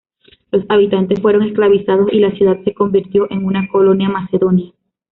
Los habitantes fueron esclavizados y la ciudad se convirtió en una colonia macedonia.